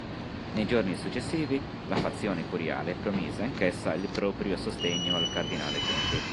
Nei giorni successivi la fazione curiale promise anch'essa il proprio sostegno al cardinale Conti.